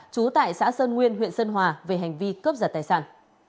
trú tại xã sơn nguyên huyện sơn hòa về hành vi cướp giật tài sản